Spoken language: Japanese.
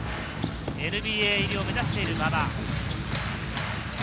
ＮＢＡ入りを目指している馬場。